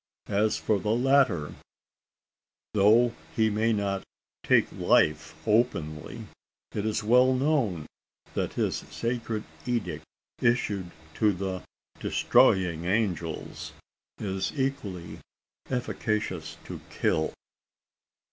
As for the latter, though he may not take life openly, it is well known that his sacred edict issued to the "destroying angels," is equally efficacious to kill.